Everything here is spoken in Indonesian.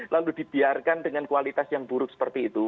lalu dibiarkan dengan kualitas yang buruk seperti itu